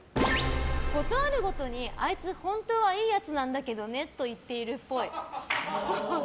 ことあるごとに、あいつ本当はいいやつなんだけどねと言っているぽい。